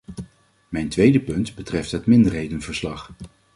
Mijn tweede punt betreft het minderhedenverslag.